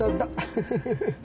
フフフフ。